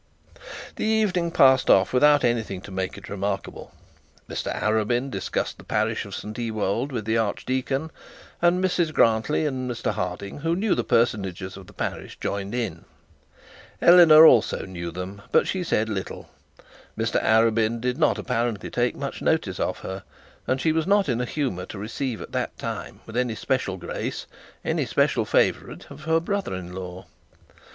The evening passed off without anything to make it remarkable. Mr Arabin discussed the parish of St Ewold with the archdeacon, and Mrs Grantly and Mr Harding, who knew the parsonages of the parish, joined in. Eleanor also knew them, but spoke little. Mr Arabin did not apparently take much notice of her, and she was not in a humour to receive at that time with any special grace any special favourite of her brother in law.